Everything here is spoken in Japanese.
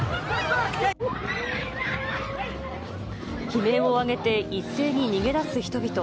悲鳴を上げて、一斉に逃げ出す人々。